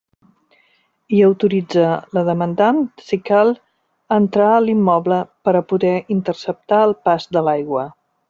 I autoritze la demandant, si cal, a entrar a l'immoble per a poder interceptar el pas de l'aigua.